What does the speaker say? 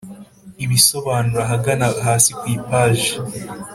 ibisobanuro ahagana hasi ku ipaji